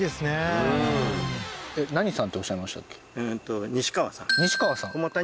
うん何さんっておっしゃいましたっけ？